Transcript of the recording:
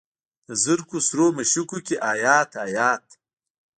د زرکو سرو مشوکو کې ایات، ایات